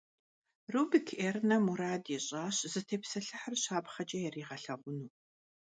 Рубик Эрно мурад ищIащ зытепсэлъыхьыр щапхъэкIэ яригъэлъэгъуну.